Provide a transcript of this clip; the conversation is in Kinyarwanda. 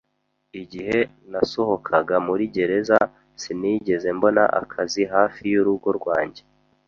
Igihe nasohokaga muri gereza, sinigeze mbona akazi hafi y’urugo rwanjye